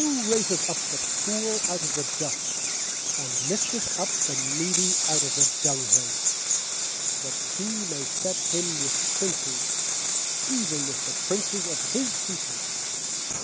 raiseth up the poor out of the dust, And lifteth up the needy out of the dunghill; 8That He may set him with princes, Even with the princes of His people.